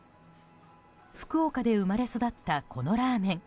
福岡で生まれ育ったこのラーメン